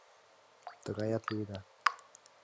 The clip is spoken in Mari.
Тыгаят лиеда.